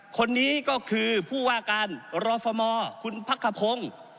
คนนี้ก็คือผู้ว่าการรฟมคุณพักขพงศ์